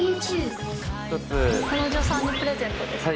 彼女さんにプレゼントですか？